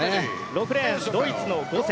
６レーンドイツのゴセ。